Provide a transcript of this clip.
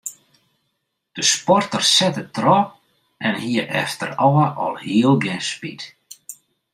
De sporter sette troch en hie efterôf alhiel gjin spyt.